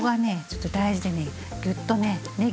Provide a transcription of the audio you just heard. ちょっと大事でねグッとね